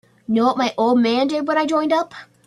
Know what my old man did when I joined up?